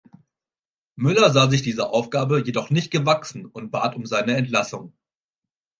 Müller sah sich dieser Aufgabe jedoch nicht gewachsen und bat um seine Entlassung.